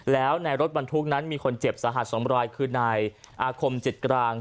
แล้วในรถบรรทุกนั้นมีคนเจ็บสาหัส๒รายคือนายอาคมจิตกลาง